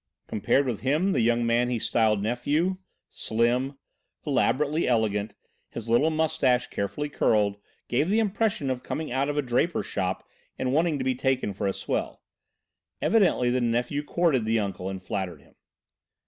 Compared with him the young man he styled nephew, slim, elaborately elegant, his little moustache carefully curled, gave the impression of coming out of a draper's shop and wanting to be taken for a swell. Evidently the nephew courted the uncle and flattered him.